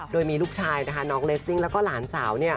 โดยมีลูกชายนะคะน้องเลสซิ่งแล้วก็หลานสาว